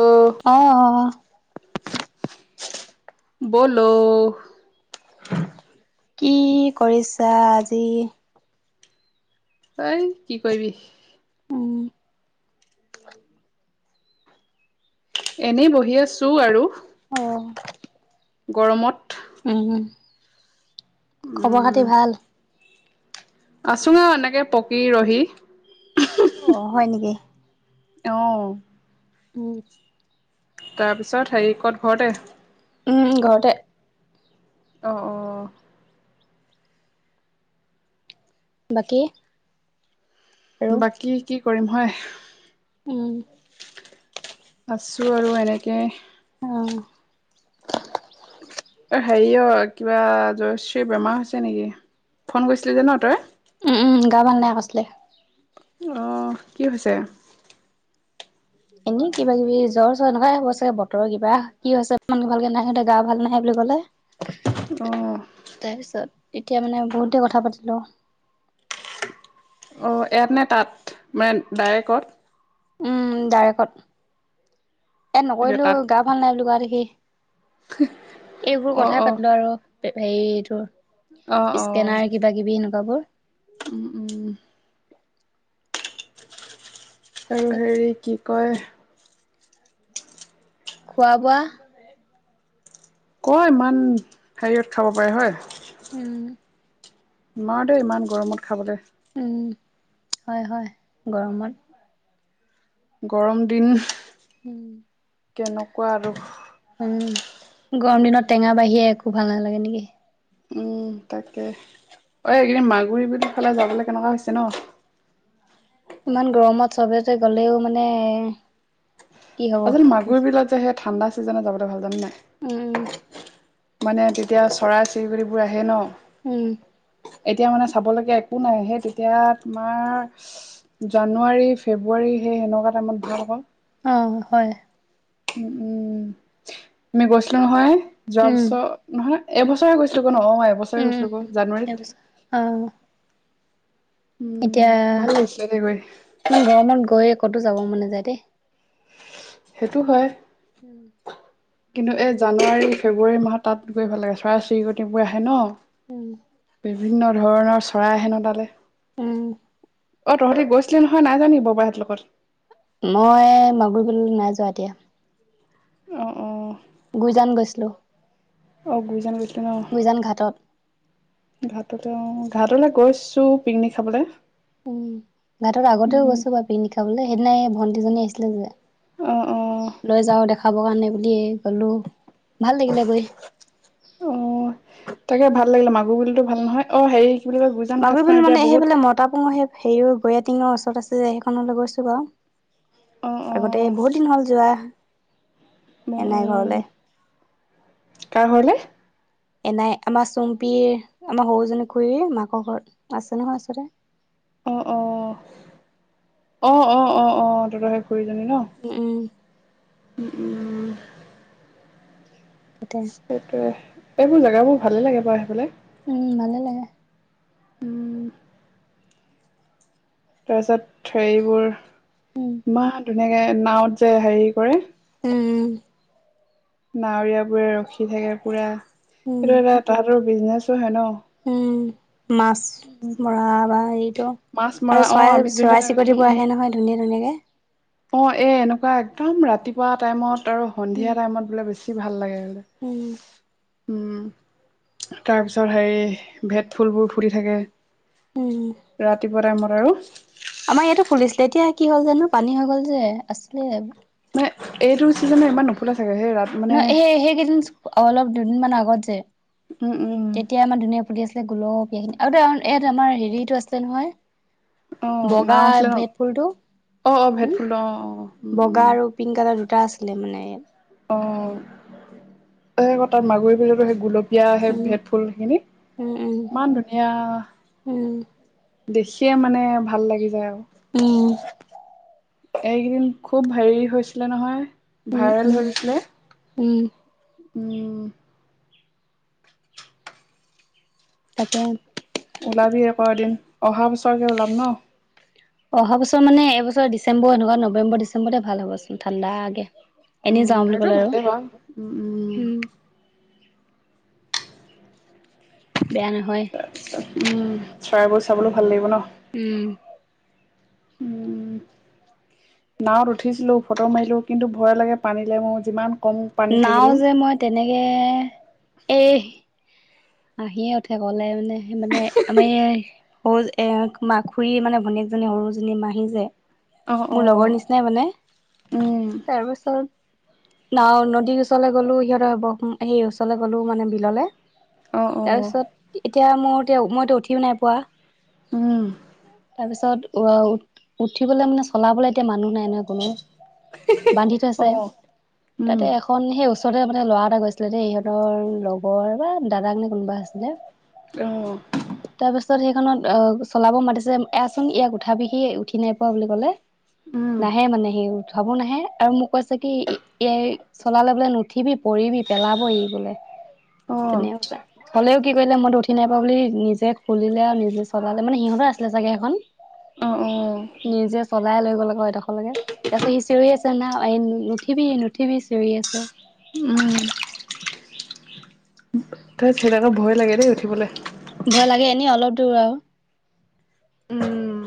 অ অ'। বলো। কি কৰিছা আজি? হেই কি কৰিবি। উম, এনেই বহি আছো আৰু। অ'। গৰমত। খবৰ খাতি ভাল? আছো আৰু এনেকে পকি ৰহি। অ', হয় নেকি? অহ [unintelligible] তাৰপিছত হেৰি ক'ত ঘৰতে? উম, ঘৰতে। অ', অ'। বাকী। আৰু বাকী কি কৰিম হয়। উম'। আছো আৰু এনেকে। অ'। অ' হেৰি অ' কিবা জয়শ্ৰীৰ বেমাৰ হৈছে নেকি ফোন কৰিছিলি যে ন' তই? উম, গা ভাল নাই কৈছিলে। অহ' কি হৈছে? এনেই কিবা কিবি জ্বৰ চ্বৰ এনেকুৱাই হব চাগে বতৰ কিবা কি হয় হৈছে ইমান ভাল কে নাজানো গা ভাল নহয়। বুলি কলে অ তাৰপিছত এতিয়া মানে বহুতে কথা পাতিলো। অ' ইয়াত নে তাত মানে ডাইৰেক্টত? উম, ডাইৰেকত ই নকৰিলো তাত গা ভাল নাই বুলি কোৱা দেখি। এইবোৰ অ কথাই অ পতিলো আৰু হেৰিটো অ অ স্কেনাৰ কিবা কিবি এনেকুৱাবোৰ। [inaudible] আৰু তাৰপিছত হেৰি কি কয়? খোৱা বোৱা ক ইমান হেৰিয়ত খাব পাৰে হয়। উম নোৱাৰো দেই ইমান গৰমত খাবলৈ। উম, হয় হয় গৰমত। গৰম দিন উম। কেনেকুৱা আৰু? উম, গৰম দিনত টেঙা বাহিৰে একো ভাল নালাগে নেকি? উম তাকে অ' এইকেইদিন মাগুৰি বিল ফালে যাবলৈ কেনেকুৱা হৈছে ন'? ইমান গৰমত সবতে গলেও মানে কি হ'ব আচল মাগুৰি বিলত যে সেই ঠাণ্ডা চিজনত যাবলৈ ভাল জান নে নাই? উম। মানে তেতিয়া চৰাই চিৰিকতি বোৰ আহে ন'। উম। এতিয়া মানে চাব লগীয়া একো নাই সেই তেতিয়া তোমাৰ জানুৱাৰী ফেব্ৰুৱাৰী সেই সেনেকুৱা টাইমত ভাল আকৌ। অ' হয়। উ, উম, আমি গৈছিলো নহয় যোৱা উম বছৰ নহয় এবছৰে গৈছিলো। অ' এবছৰে উম উম গৈছিলো আকৌ জানুৱাৰীত। তাৰপিছত অ উম এতিয়া ভাল লাগিছিলে দে গৈ ইমান গৰমত গৈ কতো যাব মন নাযায় দেই। সেইটো হয়। উম কিন্তু এই জানুৱাৰী ফেব্ৰুৱাৰী মাহত তাত গৈ ভাল লাগে চৰাই চিৰিকটিবোৰ আহে ন'। উম। বিভিন্ন ধৰণৰ চৰাই আহে ন' তালে। উম। অ' তহঁতি গৈছিলি নহয় নাই যোৱা নেকি ববাহঁতৰ লগত? মই মাগুৰি বিললৈ নাই যোৱা দিয়া। অ', অ'। গুইজান গৈছিলোঁ। অ', গুইজান গৈছি গুইজান ঘাটত? অ', ঘাটলৈ গৈছো পিকনিক খাবলৈ। উম, ঘাটত আগতেও উম গৈছো বাৰু পিকনিক খাবলৈ। সেইদিনাই ভণ্টিজনী আহিছিলে যে অ অ লৈ যাওঁ দেখাব কাৰণে বুলি গ'লো, ভাল লাগিলে গৈ। অ তাকে [unintelligible] ভাল নহয় অ' হেৰি কি বুলি কয় গুইজান মাগুৰি ঘাটখন বিল এতিয়া মানে বহুত সেইফালে মতা পুং সেই হেৰি গয়া টিঙৰ আছে যে সেইখনলৈ গৈছো বাৰু। অ অ আগতে বহুত দিন হ'ল যোৱা। উম, এনাই ঘৰলে। উম কাৰ ঘৰলে? এনাই আমাৰ চুম্পীৰ আমাৰ সৰুজনী খুুৰীৰ মাকৰ ঘৰত আছে নহয় ওচৰতে। অ', অ', অ', অ', অ', অ', তহঁতৰ সেই খুৰী জনী ন উম, উম, উম, তাতে সেইটোয়ে এইবোৰ জেগাবোৰ ভালে লাগে বাৰু হেইফালে। উম, ভালে লাগে। উম। তাৰপিছত হেৰিবোৰ উম, ইমান ধুনীয়াকে নাৱত যে হেৰি কৰে। উম। নাৱৰীয়বোৰে ৰখি থাকে পুৰা। উম। সেইটো এটা তাহাঁতৰ বিজনেচো হয় ন! উম, মাছ মৰা বা এইটো। মাছ মৰা আৰু অ', চৰাই আমি যোনদিনা চৰাই গৈছিলোঁ চিৰিকতিবোৰ উম। আহে নহয় ধুনীয়া ধুনীয়াকে। অ', এ এনেকুৱা একদম ৰাতিপুৱা টাইমত আৰু উম, সন্ধিয়া টাইমত বোলে বেছি ভাল লাগে আৰু। উম, [inaudible] উম, তাৰ পিছত হেৰি ভেদ ফুলবোৰ ফুট থাকে। উম। ৰাতিপুৱা টাইমত আৰু। আমাৰ ইয়াতো ফুলিছিলে। এতিয়া কি হ'ল জানো পানী হৈ গ'ল যে আছিলে। মানে এইটো চিজনত ইমান নুফুলে চাগে সেই ৰাত মানে নহয় এ সেই সেইকেইদিন অলপ দুদিনমানৰ আগত যে। উম উম তেতিয়া আমাৰ ধুনীয়া ফুলি আছিলে গোলপীয়াখিনি আৰু ইয়াত আমাৰ হেৰিটো আছিলে নহয়। আহ বগা নাওঁ আছিলে ন। ভেট ফুলটো অ', অ', ভেট উম, ফুল অ', অ' উম, উম। টা আছিলে মানে। অ', সেই [unintelligible] মাগুৰি বিলতো সেই গোলপীয়া এতিয়া সেই উম, ভেদ ফুলখিনি উম, উম, ইমান ধুনীয়া উম, দেখিয়ে মানে ভাল লাগি যায় আৰু। উম। এইকেইদিন খুব হেৰি হৈছিলে নহয় উম, ভাইৰেল উম, হৈছিলে। উম। উম। তাকে। উলাবি আক এদিন অহা বিছৰকে ওলাম ন। অহা বছৰ মানে এইবছৰ ডিচেম্বৰ এনেকুৱা নৱেম্বৰ ডিচেম্বৰতে ভাল হ'ব চোন ঠাণ্ডাকে। এনেই উম যাওঁ বুলি সেইটো ক'লে ভালেই বাৰু উম উম আৰু। বেয়া নহয়। তাৰ পিছত উম চৰাইবোৰ চাবলৈ ভাল লাগিব ন। উম। উম নাৱত উঠিছিলো ফটো মাৰিলো। কিন্তু ভয় লাগে পানীলৈ মোৰ যিমান! কম পানী নাওঁ থাকিলেও। যে মই তেনেকে এই আহিয়ে উঠে গ'লে মানে সেই মানে আমাৰ এই স-এ আমাৰ খুুৰী মানে ভনীয়ে সৰুজনী মাহী যে অঁ মোৰ অঁ লগৰ নিচিনাই মানে। অঁ তাৰপিছত ন-নদীৰ ওচৰলৈ গ'লো, সিহঁৰ হ'ব সেই ওচৰলৈ গ'লো মানে বিললে। অঁ তাৰ পিছত এতিয়া মোৰ এতিয়া উঠিও নাই পোৱা। উম তাৰপিছত উ-উ-উঠিবলে মানে চলাবলে এতিয়া মানুহ নাই। নাই নহয় কোনো বান্ধি থৈছে অঁ উম তাতে এখন সেই তাৰপিছতেই মানে ল'ৰা এটা গৈছিলে দেই, ইহঁতৰ লগৰ বা দাদাক নে কোনোবা আছিলে। উম, অ', চলাব মাতিছে আচোন ইয়াক উঠা বিহি উঠি নাই পোৱা বুলি কলে। উম নাহে মানে সি উঠ ভাবো নাহে আৰু মোক কৈছে, কি এই চলালে বোলে নুঠিবি পৰিবিি পেলাব ই বোলে। অঁ তেনেউচা। হলেও কি কৰিলে, মইটো উঠি নাই পোৱা বুলি নিজে খুলিলে আৰু নিজে চলালে মানে, সিহঁতে আছিলে চাগে সেইখন। অঁ অঁ উম নিজে চলাই লৈ গ'ল আকৌ এডোখৰলৈকে, তাৰপিছত সি চিঞৰি আছে না এই নুঠিবি, নুঠিবি চিঞৰি আছে। উম, তই চলালে ভয় লাগে দেই উঠিবলৈ। ভয় লাগে, এনে অলপ দূৰ আৰু। উম,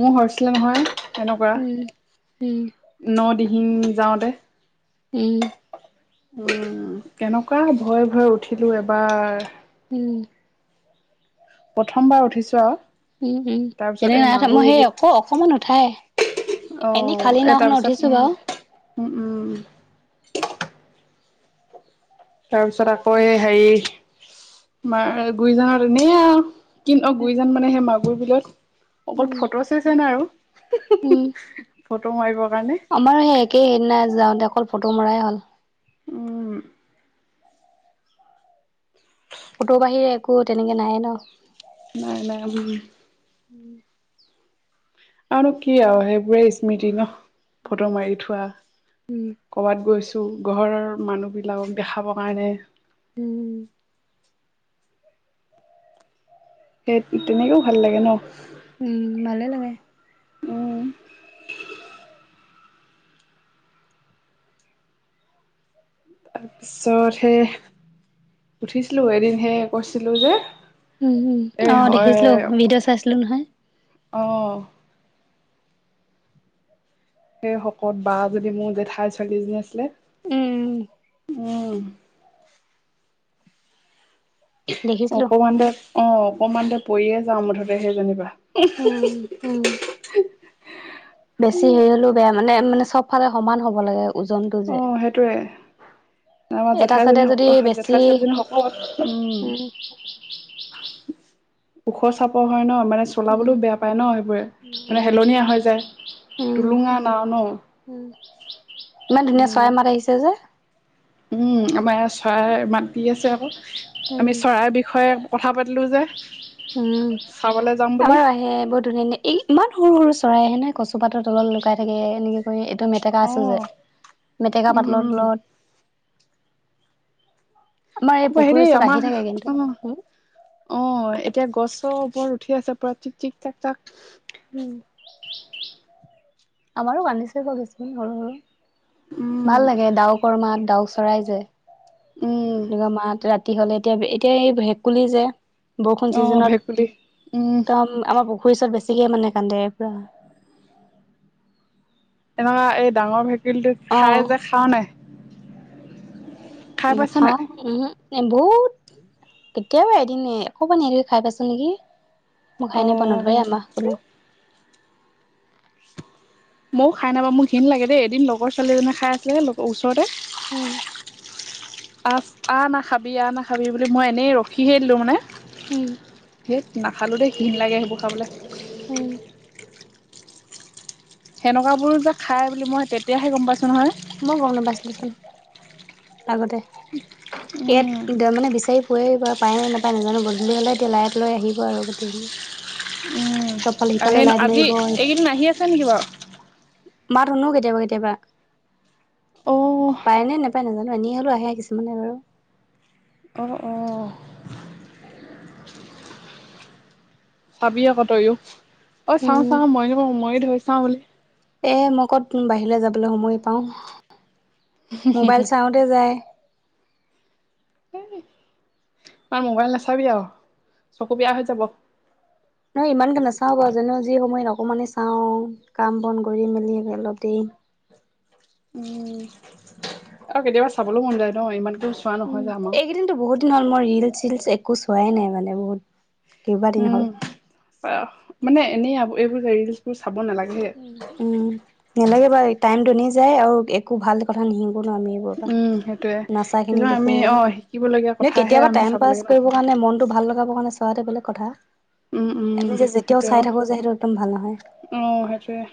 মোৰ হৈছিলে নহয় তেনেকুৱা উম উম ন দিন। হিম যাওঁতে। উম, উম, কেনেকুৱা ভয়ে ভয় উঠিলো এবাৰ। উম, প্ৰথমবাৰ উঠিছো আৰু। উম, উম তাৰপিছত তেনেকে এই নাই উঠা, মই সেই অক - অকমান উঠাই। অ', এনেই খালী এই তাৰ নাওখনত উঠিছো পিছত উম, বাৰু। উম, উম। তাৰ পিছত আকৌ এই হেৰি মাৰ গুৰি যান এনেই আৰু। কিন্ত অ', গুৰি যান মানে সেই মাগুৰ বিলত। অকল ফটো চেচনহে আৰু উম ফটো মাৰিব। আমাৰো সেই একেই সেইদিনা যাওঁতে অকল ফটো মৰাই হ'ল। উম, কো তেনেকে নাইয়ে ন। নাই, নাই, উম। উম, আৰু নো কি আৰু সেইবোৰে স্মৃতি ন। ফটো মাৰি থোৱা উম কৰবাত গৈছোঁ। ত' ঘৰৰ মানুহবিলাকক দেখাব কাৰণে। উম, সেই তেনেকেও ভাল লাগে ন। উম, ভালে লাগে। উম তাৰপিছতহে উঠিছিলো, এদিন হে কৈছিলো যে। উম, উম, এ অ', হয় দেখিছিলো ভিডিঅ' চাইছিলো নহয়। অ'। সেই শকত বা এজনী মোৰ জেঠাই ছোৱালীজনী আছিলে, উম উম। দেখিছিলো অকমানতে অ', অকমানতে পৰিয়ে যাও মুঠতে সেইজনিপা। উম, উম। বেছি হেৰি হলেও বেয়া মানে, মানে চবফালে সমান হ'ব লাগে। ওজনটো যে। অ', সেইটোৱে। আমাৰ এটা চাইডে জেঠাইজনী যদি বেছি জেঠাইৰ ছোৱালীজনী শকত উম, ওখ চাপৰ হয় ন। মানে উম চলাবলৈও বেয়া পায় ন সেইবোৰে, মানে উম হেলনীয়া হৈ যায় উম টোলুঙা নাও ন। উম [unintelligible] ইমান ধুনীয়া উম চৰাই মাত আহিছে যে? উম, আমাৰ চৰাই ইমান কি আছে আকৌ। আমি উম চৰাইৰ বিষয়ে কথা পাতিলোঁ যে। উম, চাবলৈ যাম বুলি আমাৰ আহে বহুত ধুনীয়া ধুনীয়া এই ইমান সৰু সৰু চৰাইহে নে কচু পাতৰ তলত লুকাই থাকে এনেকে কৰি। টো মেটেকা অ আছো যে মেটেকা উম পাতলৰ উম তলত আমাৰ এই খুব আহি পুখুৰীৰ দেই ওচৰত আমাৰ থাকে কিন্তু উম অ' অ' এতিয়া গছ চব বৰ উঠি আছে পৰা চিক চিক চাক চাক উম। আমাৰো [unintelligible] সৰু সৰু উম ভাল লাগে ডাউকৰ মাত ডাউক চৰাই যে। উম এনেকুৱা মাত ৰাতি হ'লে, এতিয়া এতিয়া এই ভেকুলি যে বৰষুণ অ চিজনত ভেকুলী উম একদম আমাৰ পুখুৰীৰ ওৰচত বেছি বেছিকে মানে কান্দে পুৰা। এনেকুৱা এই ডাঙৰ ভেকুলীটো অ খাই যে খাৱনে নাই? খাই পাইছা নাই নেখাওঁ, উহো। বহুত কেতিয়াবা এদিন এ অপমান হেৰি খাই পাইছা নেকি? মোৰ অ খাই নাই পোৱা নধৰে আমাৰ কোনোও। মইও খাই নাপাওঁ মোৰ ঘীণ লাগে দেই। এদিন লগৰ ছোৱালী এজনীয়ে খাই আছিলে ওচৰতে। উম। আ আ নাখাবি আ নাখাবি বুলি মই এনেই ৰখিহে দিলোঁ মানে। উম। নাখালোঁ দেই ঘীণ লাগে সেইবোৰ খাবলৈ। উম। সেনেকুৱাবোৰো যে খাই বুলি মই তেতিয়াহে গম পাইছো নহয়। মই গম নাপাইছিলো চোন আগতে। ইয়াত উম মানে বিচাৰি [unintelligible] পায় নাই নাপায় নাজানো গধূলি হ'লে এতিয়া লাইট লৈ আহিব আৰু গোটেইখিনি। উম চবফালে সেই সিফালে লাইট আজি মাৰিবই। এইকেইদিন আহি আছে নেকি বাৰু মাত শুনো কেতিয়াবা কেতিয়াবা। অ পায় নে নাপায় নাজানো এনেই হ'লেও আহে কিছুমানে বাৰু। অ', অ'। চাবি আকৌ তইও অ' চাওঁ উম চাওঁ মইও মই ধৰি চাওঁ এ মই ক'ত বাহিৰলে যাবলৈ সময় পাওঁ। মোবাইল চাওঁতে যায়। তই মোবাইল নাচাবি আৰু চকু বেয়া হৈ যাব। নহয় ইমানকে নাচাও বাৰু জানো যি সময়ত অকমানে চাও কাম বন কৰি মেলি অলপ দেৰি। [inaudible] উম আৰু কেতিয়াবা চাবলৈ মন যায় ন ইমান উম, এইকেইদিনো বহুত দিন মই ৰিলচ চিলচ একো চোৱাই নাই মানে বহুত। কেইবাদিন উম হ'ল। মানে এনেই এইবোৰ ৰিলচ [unintelligible] উম, নেলাগে বাৰু টাইমতো এনে যায় আৰু একো ভাল কথা নিশি আমি এইবোৰ উম সেইটোয়ে নাচাখিনি কিছুমান আমি দেখো। অ শিকিবলগীয়া কথাহে কেতিয়াবা আমি টাইম চাব পাছ লাগে ন কৰিব কাৰণে মনতটো ভাল লগাবৰ কাৰণে চোৱাতো বোলে কথা। উম উম আমি যে যেতিয়াও সেইটোয়ে অ চাই থাকো যে সেইটো একদম ভাল নহয়। উম।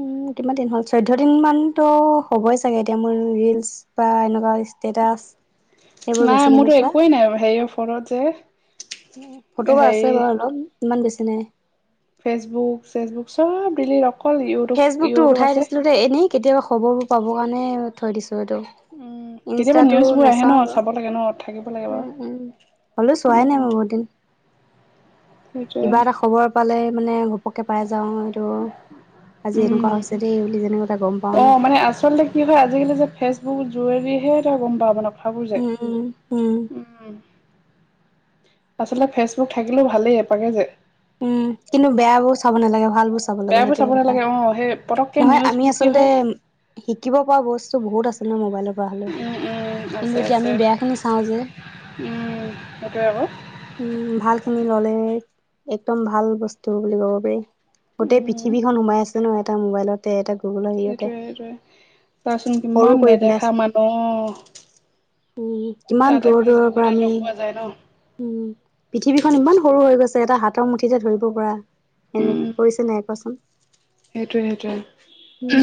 উম, কিমান দিন হ'ল চৈধ্য দিন মানতো হ'বই চাগে এতিয়া মোৰ ৰিলচ বা এনেকুৱা ষ্টেটাচ সেইবোৰ নাই বেছিকে মোৰতো নোচোৱা। একোৱেই নাই হেৰিয়ৰ ফোনত যে উম, ফটো হেৰি আছে বাৰু অলপ ইমান বেছি নাই। ফেচবুক চেচবুক চব দিলি ফেচবুক টো উঠাই দিছিলো দে, এনেই কেতিয়াবা খবৰ বোৰ পাব কাৰণে থৈ দিছোঁ। উম কেতিয়াবা ইনষ্টাটো নিউজবোৰ আহে ন নাচাওঁ বাৰু। চাব লাগে ন থাকিব লাগে বাৰু উম, উম, হলেও চোৱাই নাই উম মই বহুত দিন। সেইটোৱে কিবা এটা খবৰ পালে মানে ঘপকে পাই যাও এইটো। আজি এনেকুৱা উম, হৈছে দেই বুলি যেনেকুৱা এটা গম পাওঁ ন অ', মানে আচলতে কি হয় আজিকালি যে ফেচবুক যোগেদিহে এতিয়া গম পাও মানে। কথাবোৰ যে উম, উম, উম। আচলতে ফেচবুক থাকিলেও ভালেই এপাকে যে। উম, কিন্তু বেয়া বোৰো চাব নালাগে ভাল ব চাব লাগে বেয়াবোৰ চাব সেইটোয়ে কথা নালাগে অ সেই পতককে নহয়, আমি নিউজবোৰ কি আচলতে হয় শিকিব পৰা বস্তু বহুত আছিল ন, মোবাইলৰ পৰা হ'লেও। উম উম আছে কিন্তু এতিয়া আছে আমি বেয়া খিনি চাওঁ যে। উম সেইটোৱে আকৌ উম, ভালখিনি ল'লে। একদম ভাল বস্তু বুলি ক'ব পাৰি, গোটেই উম পৃথিৱীখন সোমাই আছে ন এটা মোবাইলতে এটা। গুগলৰ হেৰিয়তে সেইটোৱেই, সেইটোৱেই চোৱাচোন সৰু কিমান কৰি পেলাইছে। নেদেখা মানুহ। কিমান তাতে দূৰৰ, দূৰৰ পৰা ফেচবুকতে আমি লগ পোৱা যায় ন উম, পৃথিৱীখন ইমান সৰু হৈ গৈছে এটা হাত হাতৰ মুঠিতেই ধৰিব পৰা এনে হৈছে নাই কোৱাচোন? সেইটোৱে, উম সেইটোৱে।